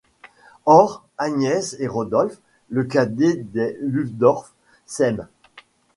Or Agnès et Rodolphe, le cadet des Luddorf, s’aiment.